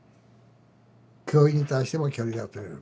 教員に対しても距離が取れる。